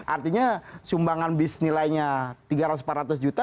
artinya sumbangan bis nilainya tiga ratus empat ratus juta